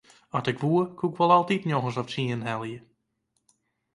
At ik woe koe ik wol altyd njoggens of tsienen helje.